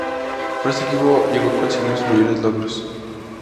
Con este equipo llegó a conseguir sus mayores logros.